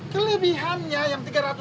kelebihannya yang tiga ratus